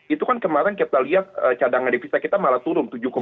itu kan kemarin kita lihat cadangan devisa kita malah turun